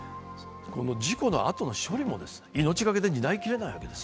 事故のあとの処理も命がけで担いきれないわけです。